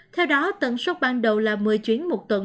theo đó tận số ban đầu là một mươi chuyến một tuần